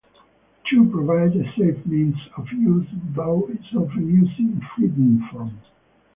To provide a safe means of use, BaO is often used in fritted form.